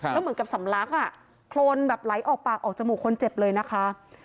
แล้วเหมือนกับสำลักอ่ะโครนแบบไหลออกปากออกจมูกคนเจ็บเลยนะคะ